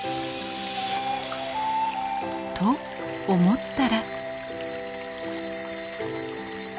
と思ったら。